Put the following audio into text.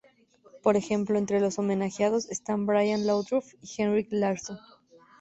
Por ejemplo, entre los homenajeados están Brian Laudrup y Henrik Larsson.